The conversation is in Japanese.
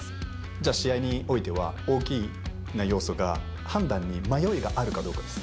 じゃあ、試合においては、大きな要素が判断に迷いがあるかどうかです。